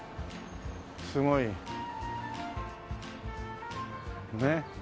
すごいねっ。